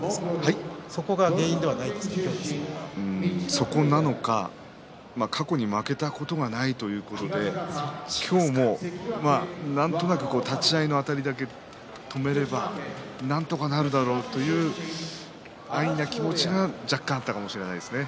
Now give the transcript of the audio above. そこなのか、過去に負けたことがないということで今日もなんとなく立ち合いのあたりだけ止めればなんとかなるだろうとそういった安易な気持ちが若干あったのかもしれません。